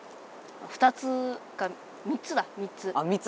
２つか３つだ３つ。